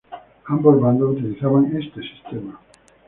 Ambos bandos utilizaban este sistema.